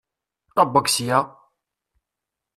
Ṭebbeg sya!